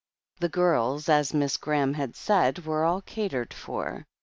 The girls, as Miss Graham had said, were all catered for.